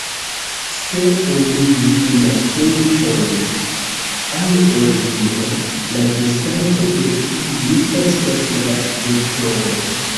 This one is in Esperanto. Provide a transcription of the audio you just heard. Se oni difinas punkton al origino, la distanco de tiu estas la vektoro.